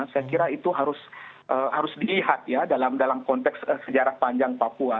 saya kira itu harus dilihat ya dalam konteks sejarah panjang papua